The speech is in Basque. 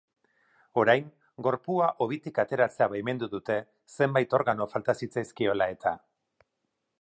Orain gorpua hobitik ateratzea baimendu dute, zenbait organo falta zitzaizkiola eta.